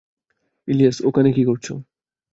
ইলিয়াস, ওখানে কি করছো?